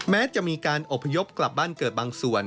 แม้จะมีการอบพยพกลับบ้านเกิดบางส่วน